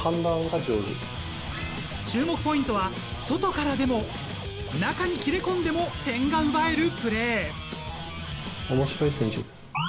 注目ポイントは外からでも、中に切り込んでも点が取れるプレー。